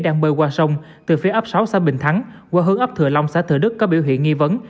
đang bơi qua sông từ phía ấp sáu xã bình thắng qua hướng ấp thừa long xã thừa đức có biểu hiện nghi vấn